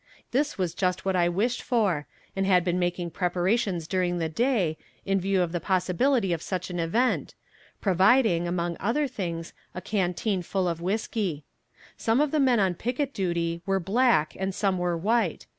This was just what I wished for, and had been making preparations during the day, in view of the possibility of such an event, providing, among other things, a canteen full of whiskey. Some of the men on picket duty were black and some were white.